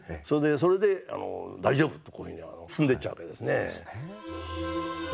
それで「大丈夫」とこういうふうに進んでいっちゃうわけですね。